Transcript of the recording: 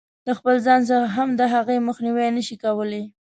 د خپل ځان څخه هم د هغې مخنیوی نه شي کولای.